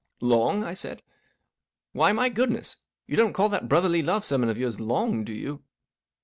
" Long ?" I said. *' Why, my goodness I you don't call that Brotherly Love sermon of yours long, do you